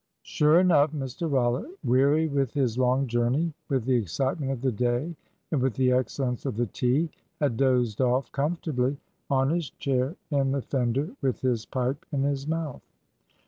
Sure enough Mr Rollitt, weary with his long journey, with the excitement of the day, and with the excellence of the tea, had dozed off comfortably, on his chair in the fender, with his pipe in his mouth.